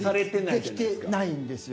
できてないんですよ。